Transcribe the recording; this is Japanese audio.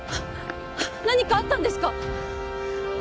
何かあったんですか？